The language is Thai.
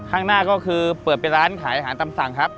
ข้างหน้าก็คือเปิดเป็นร้านขายอาหารตำสั่งครับ